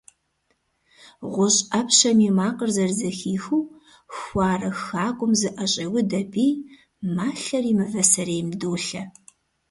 ГъущӀ Ӏэпщэм и макъыр зэрызэхихыу, хуарэ хакӀуэм зыӀэщӀеуд аби, малъэри мывэ сэрейм долъэ.